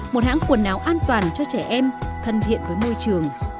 một hãng quần áo an toàn cho trẻ em thân thiện với môi trường